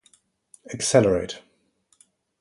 Accelerate.